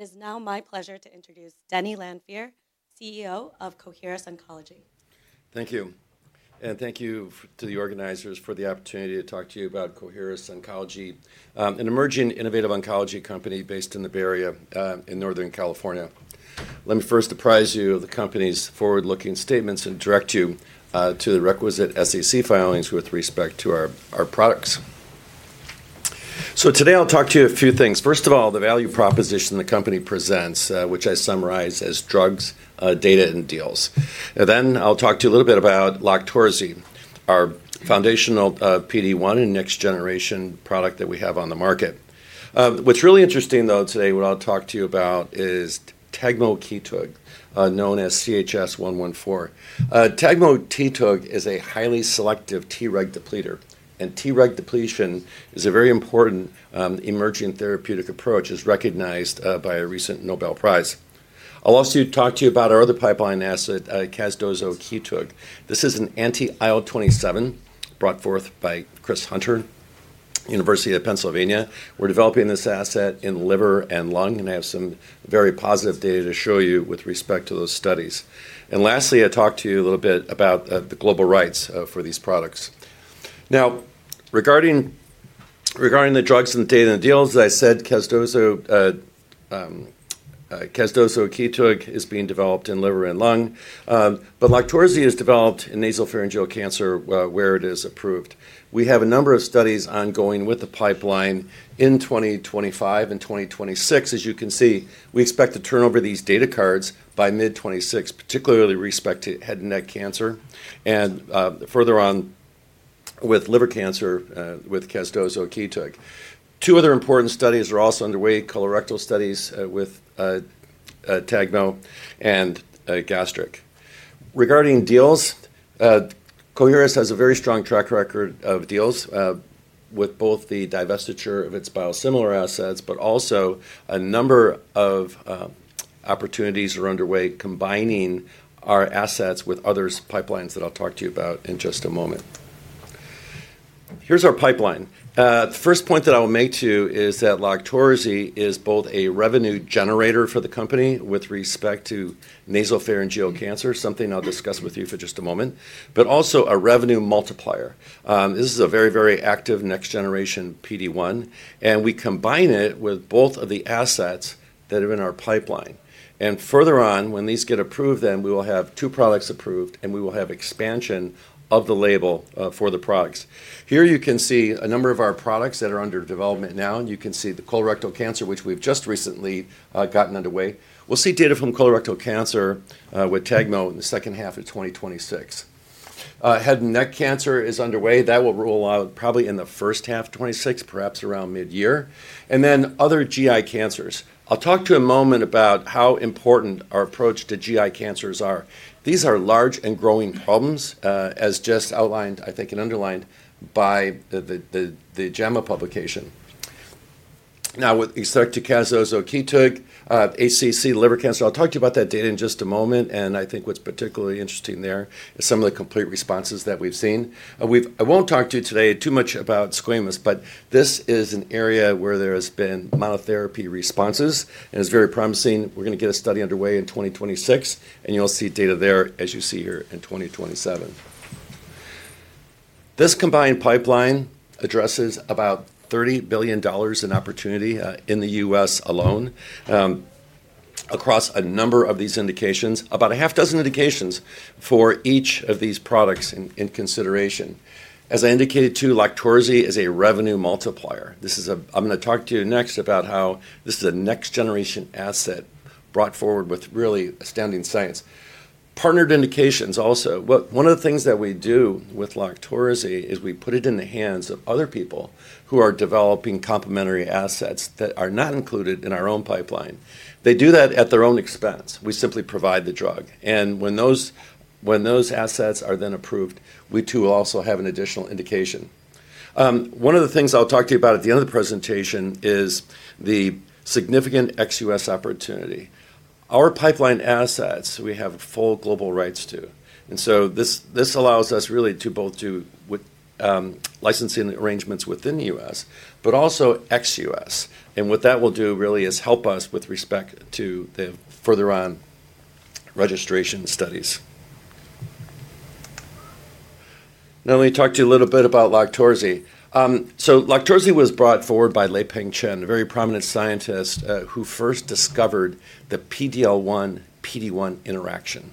It is now my pleasure to introduce Dennis Lanfear, CEO of Coherus Oncology. Thank you. Thank you to the organizers for the opportunity to talk to you about Coherus Oncology, an emerging innovative oncology company based in the Bay Area in Northern California. Let me first apprise you of the company's forward-looking statements and direct you to the requisite SEC filings with respect to our products. Today I'll talk to you about a few things. First of all, the value proposition the company presents, which I summarize as drugs, data, and deals. I'll talk to you a little bit about LOQTORZI, our foundational PD-1 and next-generation product that we have on the market. What's really interesting, though, today, what I'll talk to you about is CHS-114. CHS-114 is a highly selective Treg depleter, and Treg depletion is a very important emerging therapeutic approach, as recognized by a recent Nobel Prize. I'll also talk to you about our other pipeline asset, casdozokitug. This is an anti-IL-27 brought forth by Chris Hunter, University of Pennsylvania. We're developing this asset in liver and lung, and I have some very positive data to show you with respect to those studies. Lastly, I'll talk to you a little bit about the global rights for these products. Now, regarding the drugs and data and deals, as I said, casdozokitug is being developed in liver and lung, but LOQTORZI is developed in nasopharyngeal cancer where it is approved. We have a number of studies ongoing with the pipeline in 2025 and 2026. As you can see, we expect to turn over these data cards by mid-2026, particularly with respect to head and neck cancer and further on with liver cancer with casdozokitug. Two other important studies are also underway: colorectal studies with CHS-114 and gastric. Regarding deals, Coherus Oncology has a very strong track record of deals with both the divestiture of its biosimilar assets, but also a number of opportunities are underway combining our assets with others' pipelines that I'll talk to you about in just a moment. Here's our pipeline. The first point that I will make to you is that LOQTORZI is both a revenue generator for the company with respect to nasopharyngeal cancer, something I'll discuss with you for just a moment, but also a revenue multiplier. This is a very, very active next-generation PD-1, and we combine it with both of the assets that are in our pipeline. Further on, when these get approved, then we will have two products approved, and we will have expansion of the label for the products. Here you can see a number of our products that are under development now, and you can see the colorectal cancer, which we've just recently gotten underway. We'll see data from colorectal cancer with CHS-114 in the second half of 2026. Head and neck cancer is underway. That will roll out probably in the first half of 2026, perhaps around mid-year. And then other GI cancers. I'll talk to you a moment about how important our approach to GI cancers is. These are large and growing problems, as just outlined, I think, and underlined by the JAMA publication. Now, with respect to casdozokitug, ACC liver cancer, I'll talk to you about that data in just a moment, and I think what's particularly interesting there is some of the complete responses that we've seen. I won't talk to you today too much about squamous, but this is an area where there have been monotherapy responses, and it's very promising. We're going to get a study underway in 2026, and you'll see data there, as you see here, in 2027. This combined pipeline addresses about $30 billion in opportunity in the U.S. alone, across a number of these indications, about a half dozen indications for each of these products in consideration. As I indicated to you, LOQTORZI is a revenue multiplier. I'm going to talk to you next about how this is a next-generation asset brought forward with really astounding science. Partnered indications also. One of the things that we do with LOQTORZI is we put it in the hands of other people who are developing complementary assets that are not included in our own pipeline. They do that at their own expense. We simply provide the drug. When those assets are then approved, we too will also have an additional indication. One of the things I'll talk to you about at the end of the presentation is the significant ex-U.S. opportunity. Our pipeline assets, we have full global rights to. This allows us really to both do licensing arrangements within the U.S., but also ex-U.S. What that will do really is help us with respect to the further-on registration studies. Now, let me talk to you a little bit about LOQTORZI. LOQTORZI was brought forward by Lieping Chen, a very prominent scientist who first discovered the PD-L1/PD-L1 interaction.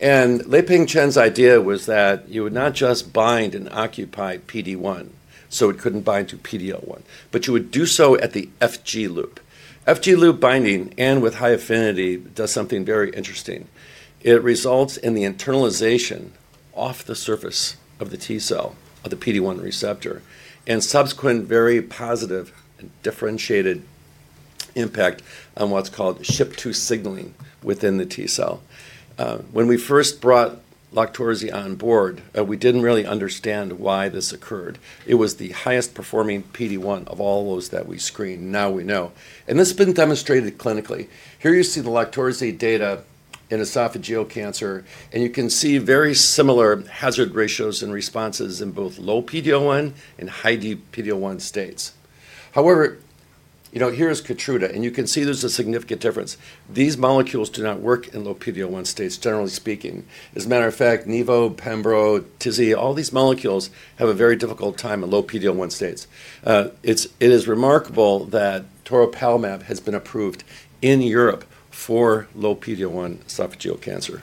Lieping Chen's idea was that you would not just bind and occupy PD-1 so it could not bind to PD-L1, but you would do so at the FG loop. FG loop binding, and with high affinity, does something very interesting. It results in the internalization off the surface of the T cell of the PD-1 receptor and subsequent very positive and differentiated impact on what's called SHP-2 signaling within the T cell. When we first brought LOQTORZI on board, we didn't really understand why this occurred. It was the highest performing PD-1 of all those that we screened. Now we know. This has been demonstrated clinically. Here you see the LOQTORZI data in esophageal cancer, and you can see very similar hazard ratios and responses in both low PD-L1 and high PD-L1 states. However, here is Keytruda, and you can see there's a significant difference. These molecules do not work in low PD-L1 states, generally speaking. As a matter of fact, nevo, pembro, tizi, all these molecules have a very difficult time in low PD-L1 states. It is remarkable that Toripalimab has been approved in Europe for low PD-L1 esophageal cancer.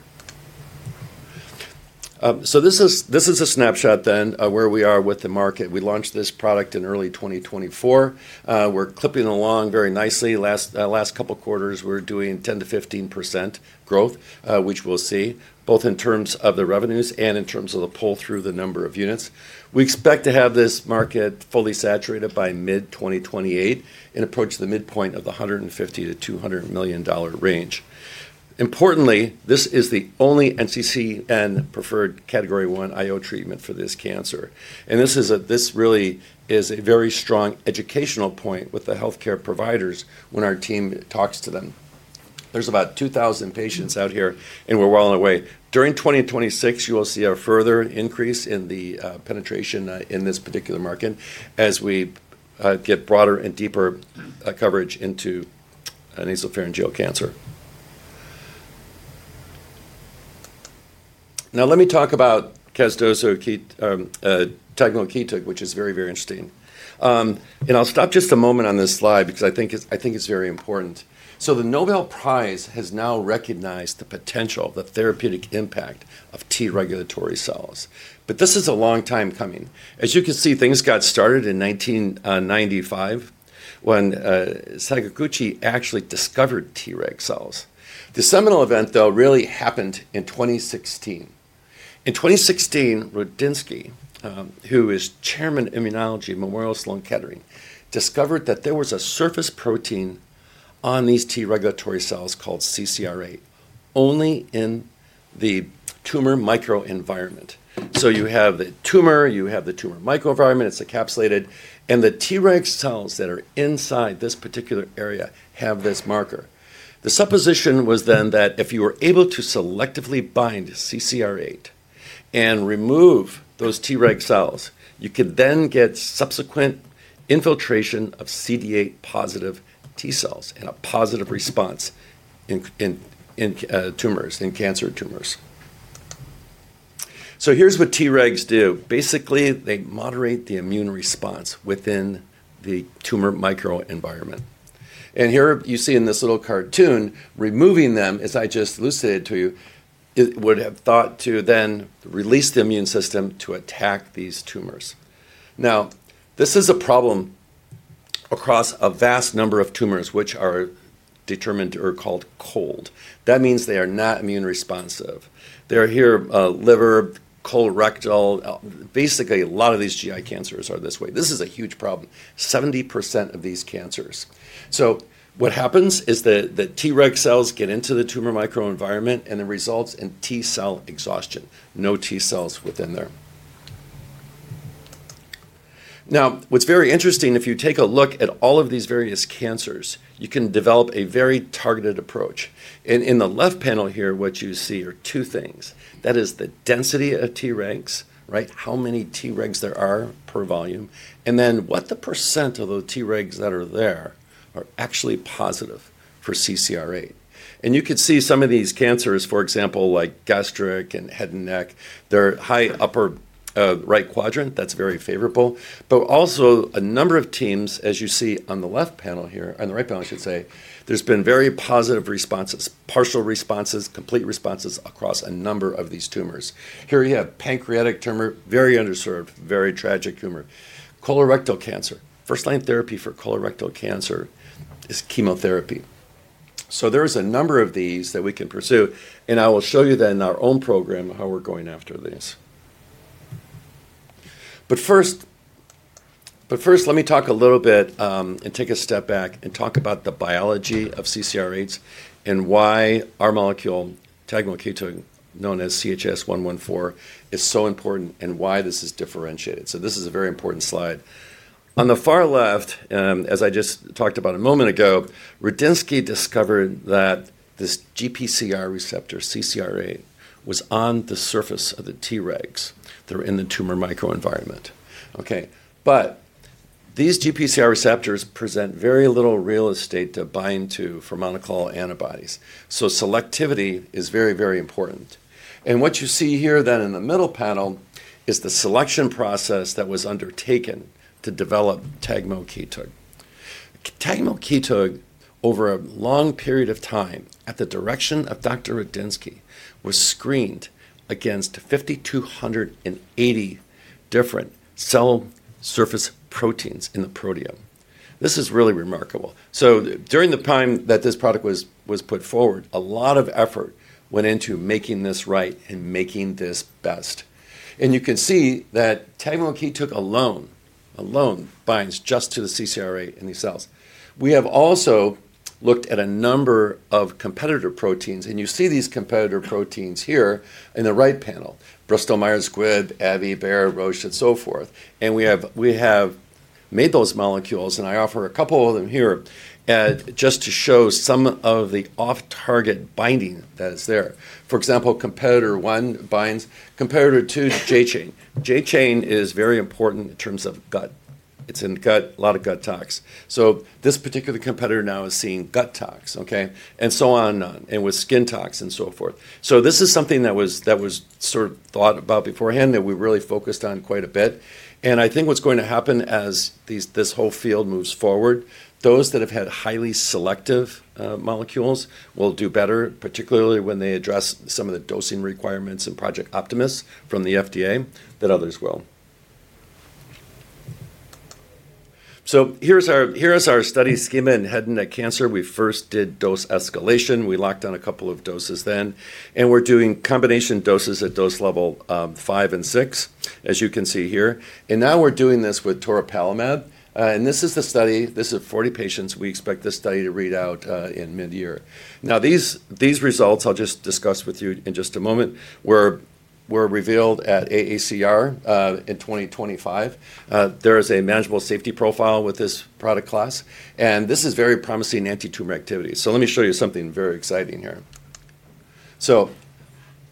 This is a snapshot then of where we are with the market. We launched this product in early 2024. We're clipping along very nicely. Last couple of quarters, we're doing 10%-15% growth, which we'll see both in terms of the revenues and in terms of the pull-through, the number of units. We expect to have this market fully saturated by mid-2028 and approach the midpoint of the $150-$200 million range. Importantly, this is the only NCCN-preferred category one IO treatment for this cancer. This really is a very strong educational point with the healthcare providers when our team talks to them. There's about 2,000 patients out here, and we're well on our way. During 2026, you will see a further increase in the penetration in this particular market as we get broader and deeper coverage into nasopharyngeal cancer. Now, let me talk about casdozokitug, which is very, very interesting. I'll stop just a moment on this slide because I think it's very important. The Nobel Prize has now recognized the potential, the therapeutic impact of T regulatory cells. This is a long time coming. As you can see, things got started in 1995 when Sakaguchi actually discovered Treg cells. The seminal event, though, really happened in 2016. In 2016, Rudensky, who is Chairman of Immunology, Memorial Sloan Kettering, discovered that there was a surface protein on these T regulatory cells called CCR8 only in the tumor microenvironment. You have the tumor, you have the tumor microenvironment, it's encapsulated, and the Treg cells that are inside this particular area have this marker. The supposition was then that if you were able to selectively bind CCR8 and remove those Treg cells, you could then get subsequent infiltration of CD8-positive T cells and a positive response in tumors, in cancer tumors. Here's what Tregs do. Basically, they moderate the immune response within the tumor microenvironment. Here you see in this little cartoon, removing them, as I just elucidated to you, would have thought to then release the immune system to attack these tumors. This is a problem across a vast number of tumors, which are determined or called cold. That means they are not immune responsive. They are here liver, colorectal, basically a lot of these GI cancers are this way. This is a huge problem, 70% of these cancers. What happens is that the Treg cells get into the tumor microenvironment, and it results in T cell exhaustion, no T cells within there. Now, what's very interesting, if you take a look at all of these various cancers, you can develop a very targeted approach. In the left panel here, what you see are two things. That is the density of Tregs, right? How many Tregs there are per volume, and then what the percent of those Tregs that are there are actually positive for CCR8. You could see some of these cancers, for example, like gastric and head and neck, they're high upper right quadrant, that's very favorable. But also a number of teams, as you see on the left panel here, on the right panel, I should say, there's been very positive responses, partial responses, complete responses across a number of these tumors. Here you have pancreatic tumor, very underserved, very tragic tumor. Colorectal cancer, first-line therapy for colorectal cancer is chemotherapy. So there is a number of these that we can pursue, and I will show you then in our own program how we're going after these. But first, let me talk a little bit and take a step back and talk about the biology of CCR8s and why our molecule, Tegmote Kitug, known as CHS-114, is so important and why this is differentiated. So this is a very important slide. On the far left, as I just talked about a moment ago, Rudensky discovered that this GPCR receptor, CCR8, was on the surface of the Tregs that are in the tumor microenvironment. Okay? These GPCR receptors present very little real estate to bind to for monoclonal antibodies. Selectivity is very, very important. What you see here then in the middle panel is the selection process that was undertaken to develop CHS-114. CHS-114, over a long period of time, at the direction of Dr. Rudensky, was screened against 5,280 different cell surface proteins in the proteome. This is really remarkable. During the time that this product was put forward, a lot of effort went into making this right and making this best. You can see that CHS-114 alone binds just to the CCR8 in these cells. We have also looked at a number of competitor proteins, and you see these competitor proteins here in the right panel, Bristol-Myers Squibb, AbbVie, Roche, and so forth. We have made those molecules, and I offer a couple of them here just to show some of the off-target binding that is there. For example, competitor one binds competitor two J chain. J chain is very important in terms of gut. It is in gut, a lot of gut tox. This particular competitor now is seeing gut tox, okay? And on and on, and with skin tox and so forth. This is something that was sort of thought about beforehand that we really focused on quite a bit. I think what's going to happen as this whole field moves forward, those that have had highly selective molecules will do better, particularly when they address some of the dosing requirements and project optimists from the FDA that others will. Here's our study schema in head and neck cancer. We first did dose escalation. We locked on a couple of doses then, and we're doing combination doses at dose level five and six, as you can see here. Now we're doing this with Toripalimab. This is the study. This is 40 patients. We expect this study to read out in mid-year. Now, these results, I'll just discuss with you in just a moment, were revealed at AACR in 2025. There is a manageable safety profile with this product class, and this is very promising anti-tumor activity. Let me show you something very exciting here.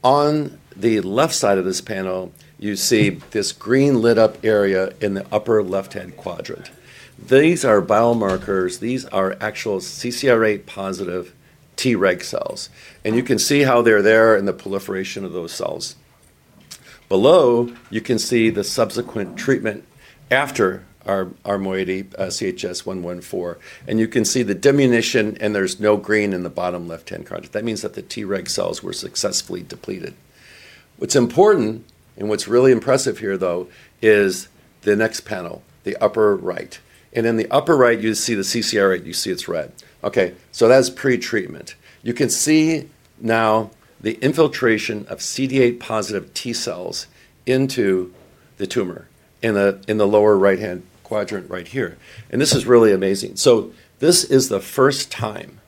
On the left side of this panel, you see this green lit-up area in the upper left-hand quadrant. These are biomarkers. These are actual CCR8-positive Treg cells. You can see how they're there and the proliferation of those cells. Below, you can see the subsequent treatment after our moiety CHS-114, and you can see the diminution, and there's no green in the bottom left-hand quadrant. That means that the Treg cells were successfully depleted. What's important and what's really impressive here, though, is the next panel, the upper right. In the upper right, you see the CCR8. You see it's red. Okay? That's pretreatment. You can see now the infiltration of CD8-positive T cells into the tumor in the lower right-hand quadrant right here. This is really amazing. This is the first time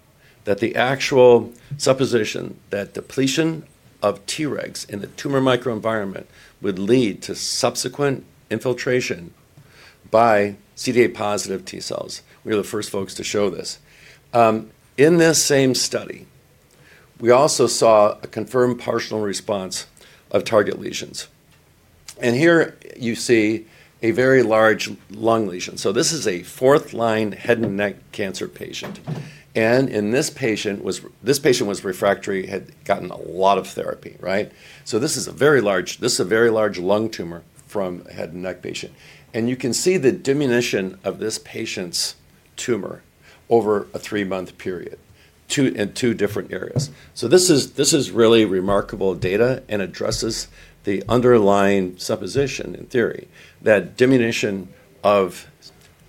that the actual supposition that depletion of Tregs in the tumor microenvironment would lead to subsequent infiltration by CD8-positive T cells. We are the first folks to show this. In this same study, we also saw a confirmed partial response of target lesions. Here you see a very large lung lesion. This is a fourth-line head and neck cancer patient. In this patient, this patient was refractory, had gotten a lot of therapy, right? This is a very large lung tumor from a head and neck patient. You can see the diminution of this patient's tumor over a three-month period in two different areas. This is really remarkable data and addresses the underlying supposition in theory that diminution of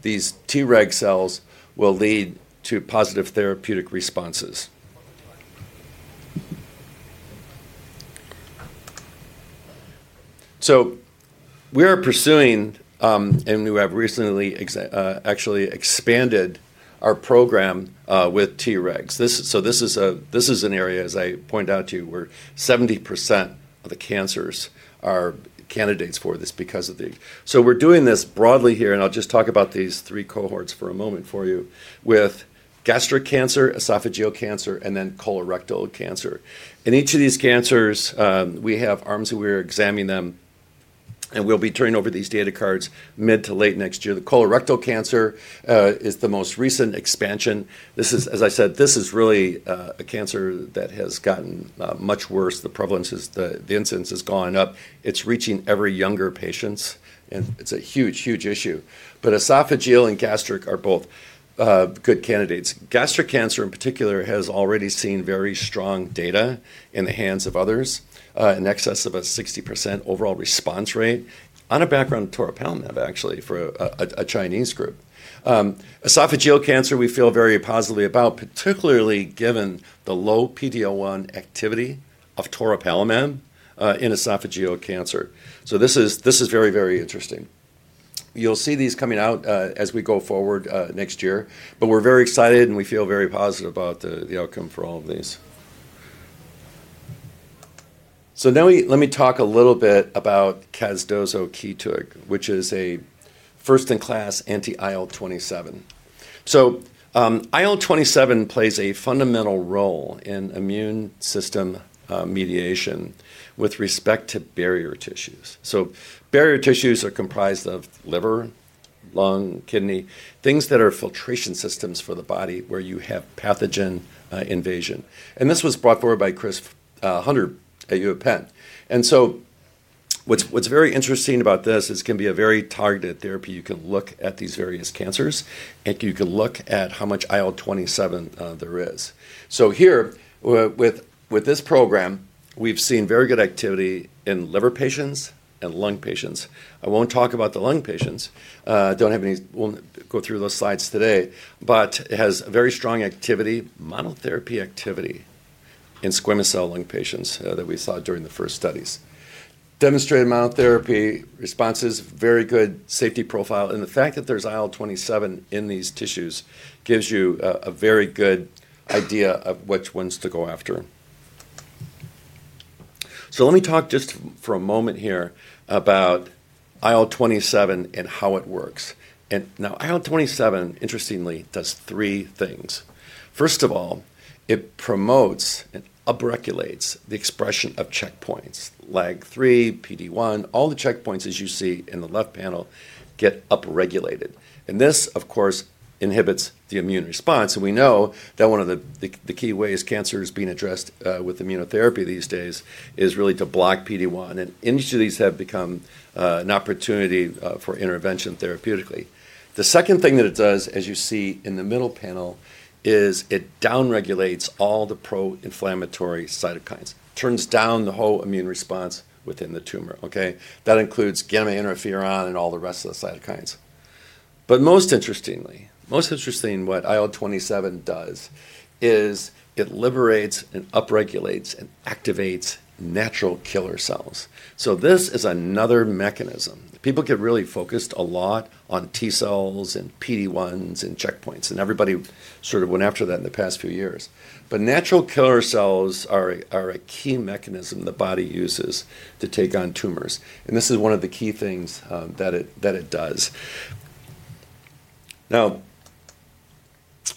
these Treg cells will lead to positive therapeutic responses. We are pursuing, and we have recently actually expanded our program with Tregs. This is an area, as I point out to you, where 70% of the cancers are candidates for this because of the—so we're doing this broadly here, and I'll just talk about these three cohorts for a moment for you with gastric cancer, esophageal cancer, and then colorectal cancer. In each of these cancers, we have arms that we are examining them, and we'll be turning over these data cards mid to late next year. The colorectal cancer is the most recent expansion. As I said, this is really a cancer that has gotten much worse. The prevalence, the incidence has gone up. It's reaching every younger patient, and it's a huge, huge issue. Esophageal and gastric are both good candidates. Gastric cancer, in particular, has already seen very strong data in the hands of others, in excess of a 60% overall response rate on a background of Toripalimab, actually, for a Chinese group. Esophageal cancer, we feel very positively about, particularly given the low PD-L1 activity of Toripalimab in esophageal cancer. This is very, very interesting. You'll see these coming out as we go forward next year, but we're very excited, and we feel very positive about the outcome for all of these. Now let me talk a little bit about casdozokitug, which is a first-in-class anti-IL-27. IL-27 plays a fundamental role in immune system mediation with respect to barrier tissues. Barrier tissues are comprised of liver, lung, kidney, things that are filtration systems for the body where you have pathogen invasion. This was brought forward by Christopher Hunter at University of Pennsylvania. What's very interesting about this is it can be a very targeted therapy. You can look at these various cancers, and you can look at how much IL-27 there is. Here, with this program, we've seen very good activity in liver patients and lung patients. I won't talk about the lung patients. Don't have any—won't go through those slides today, but it has very strong activity, monotherapy activity in squamous cell lung patients that we saw during the first studies. Demonstrated monotherapy responses, very good safety profile. The fact that there's IL-27 in these tissues gives you a very good idea of which ones to go after. Let me talk just for a moment here about IL-27 and how it works. Now, IL-27, interestingly, does three things. First of all, it promotes and upregulates the expression of checkpoints, LAG-3, PD-1. All the checkpoints, as you see in the left panel, get upregulated. This, of course, inhibits the immune response. We know that one of the key ways cancer is being addressed with immunotherapy these days is really to block PD-1. Each of these have become an opportunity for intervention therapeutically. The second thing that it does, as you see in the middle panel, is it downregulates all the pro-inflammatory cytokines, turns down the whole immune response within the tumor, okay? That includes gamma interferon and all the rest of the cytokines. Most interestingly, most interesting what IL-27 does is it liberates and upregulates and activates natural killer cells. This is another mechanism. People get really focused a lot on T cells and PD-1s and checkpoints, and everybody sort of went after that in the past few years. Natural killer cells are a key mechanism the body uses to take on tumors. This is one of the key things that it does. Now,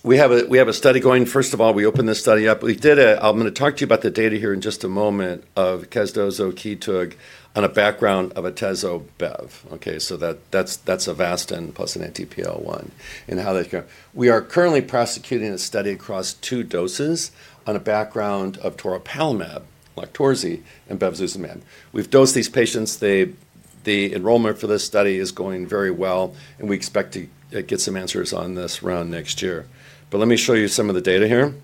we have a study going. First of all, we opened this study up. We did a—I'm going to talk to you about the data here in just a moment of casdozokitug on a background of Avastin, okay? So that's Avastin plus an anti-PD-1 and how that's going. We are currently prosecuting a study across two doses on a background of toripalimab, LOQTORZI, and bevacizumab. We've dosed these patients. The enrollment for this study is going very well, and we expect to get some answers on this around next year. Let me show you some of the data here.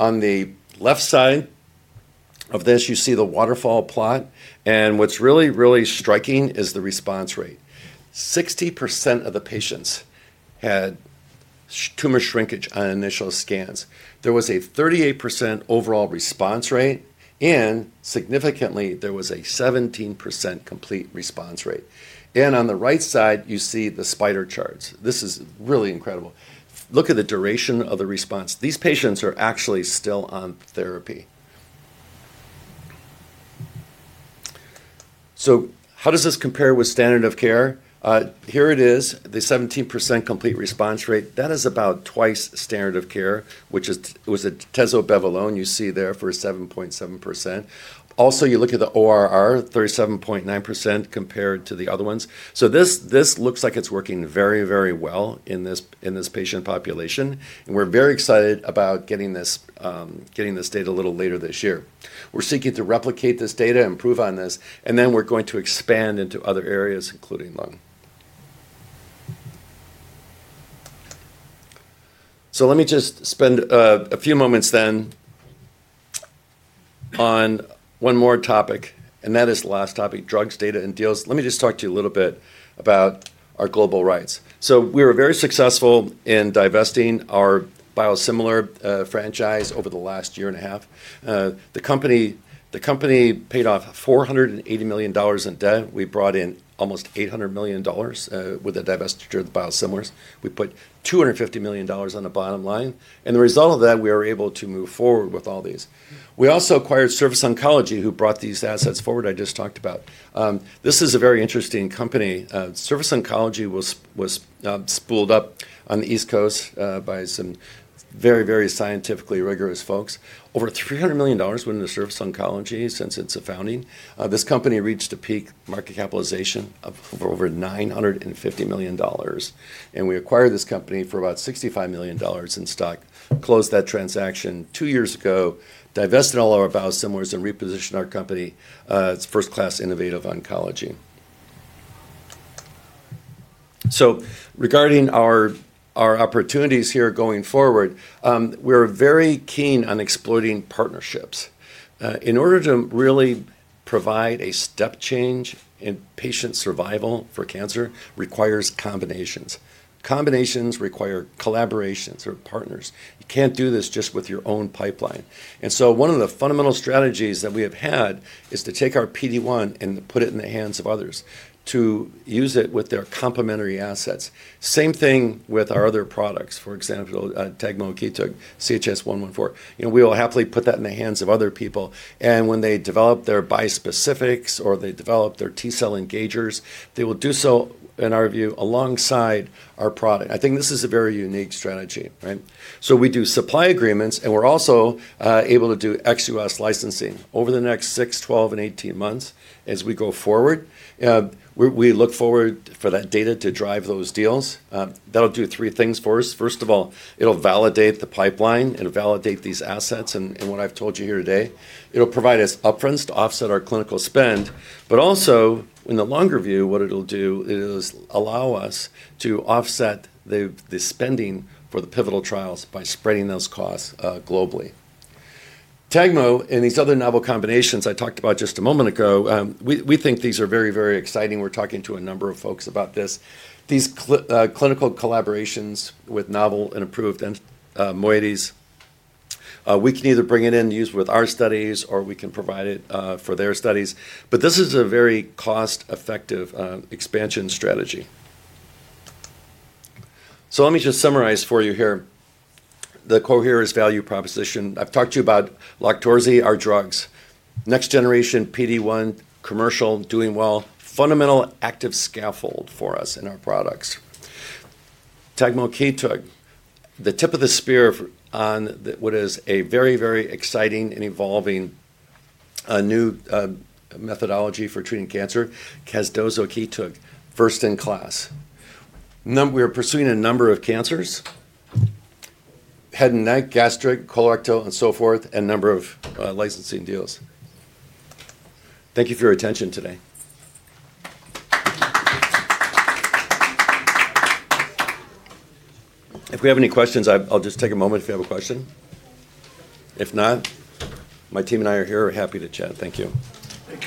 On the left side of this, you see the waterfall plot. What's really, really striking is the response rate. 60% of the patients had tumor shrinkage on initial scans. There was a 38% overall response rate, and significantly, there was a 17% complete response rate. On the right side, you see the spider charts. This is really incredible. Look at the duration of the response. These patients are actually still on therapy. How does this compare with standard of care? Here it is, the 17% complete response rate. That is about twice standard of care, which was Avastin alone, you see there for 7.7%. Also, you look at the ORR, 37.9% compared to the other ones. This looks like it is working very, very well in this patient population. We are very excited about getting this data a little later this year. We are seeking to replicate this data, improve on this, and then we are going to expand into other areas, including lung. Let me just spend a few moments then on one more topic, and that is the last topic, drugs, data, and deals. Let me just talk to you a little bit about our global rights. We were very successful in divesting our biosimilar franchise over the last year and a half. The company paid off $480 million in debt. We brought in almost $800 million with a divestiture of the biosimilars. We put $250 million on the bottom line. The result of that, we were able to move forward with all these. We also acquired Surface Oncology, who brought these assets forward I just talked about. This is a very interesting company. Surface Oncology was spooled up on the East Coast by some very, very scientifically rigorous folks. Over $300 million went into Surface Oncology since its founding. This company reached a peak market capitalization of over $950 million. We acquired this company for about $65 million in stock, closed that transaction two years ago, divested all our biosimilars, and repositioned our company. It is first-class innovative oncology. Regarding our opportunities here going forward, we are very keen on exploiting partnerships. In order to really provide a step change in patient survival for cancer, it requires combinations. Combinations require collaborations or partners. You cannot do this just with your own pipeline. One of the fundamental strategies that we have had is to take our PD-1 and put it in the hands of others to use it with their complementary assets. Same thing with our other products, for example, CHS-114. We will happily put that in the hands of other people. When they develop their bispecifics or they develop their T-cell engagers, they will do so, in our view, alongside our product. I think this is a very unique strategy, right? We do supply agreements, and we're also able to do ex-U.S. licensing over the next six, 12, and 18 months as we go forward. We look forward for that data to drive those deals. That'll do three things for us. First of all, it'll validate the pipeline and validate these assets and what I've told you here today. It'll provide us upfronts to offset our clinical spend. Also, in the longer view, what it'll do is allow us to offset the spending for the pivotal trials by spreading those costs globally. CHS-114 and these other novel combinations I talked about just a moment ago, we think these are very, very exciting. We're talking to a number of folks about this. These clinical collaborations with novel and approved moieties, we can either bring it in, use it with our studies, or we can provide it for their studies. This is a very cost-effective expansion strategy. Let me just summarize for you here the Coherus value proposition. I've talked to you about LOQTORZI, our drug, next-generation PD-1 commercial, doing well, fundamental active scaffold for us in our products. CHS-114, the tip of the spear on what is a very, very exciting and evolving new methodology for treating cancer, casdozokitug, first in class. We are pursuing a number of cancers: head and neck, gastric, colorectal, and so forth, and a number of licensing deals. Thank you for your attention today. If we have any questions, I'll just take a moment if you have a question. If not, my team and I are here and happy to chat. Thank you.